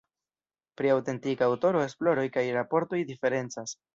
Pri aŭtentika aŭtoro esploroj kaj raportoj diferencas.